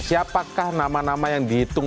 siapakah nama nama yang dihitung